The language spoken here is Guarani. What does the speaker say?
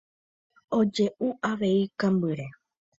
Oje'u avei kambýre.